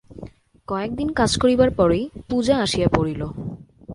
কয়েকদিন কাজ করিবার পরেই পূজা আসিয়া পড়িল।